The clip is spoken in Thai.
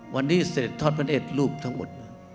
วันนี้เศรษฐภัณฑ์เอ็ดรูปทั้งหมด